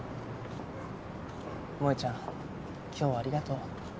萌ちゃん今日はありがとう。